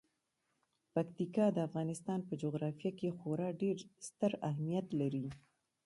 پکتیکا د افغانستان په جغرافیه کې خورا ډیر ستر اهمیت لري.